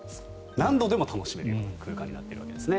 何度でも楽しめる空間になっているわけですね。